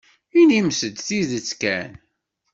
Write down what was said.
Inimt-d tidet kan.